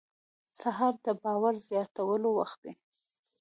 سهار د باور زیاتولو وخت دی.